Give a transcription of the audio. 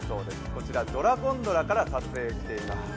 こちらドラゴンドラから撮影しています。